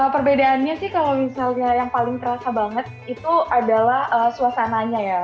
perbedaannya sih kalau misalnya yang paling terasa banget itu adalah suasananya ya